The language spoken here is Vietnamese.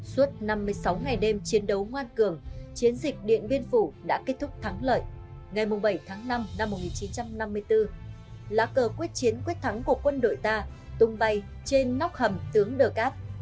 suốt năm mươi sáu ngày đêm chiến đấu ngoan cường chiến dịch điện biên phủ đã kết thúc thắng lợi ngày bảy tháng năm năm một nghìn chín trăm năm mươi bốn lá cờ quyết chiến quyết thắng của quân đội ta tung bay trên nóc hầm tướng đờ cát